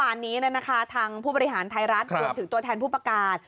วันนี้ทางผู้บริหารไทยรัฐรวมถึงตัวแทนผู้ประกาศ